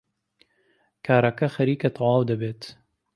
کارەکە خەریکە تەواو دەبێت.